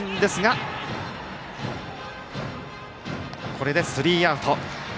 これでスリーアウト。